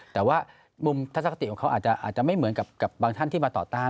แต่ว่ามุมทัศนคติของเขาอาจจะไม่เหมือนกับบางท่านที่มาต่อต้าน